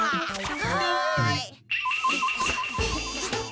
はい。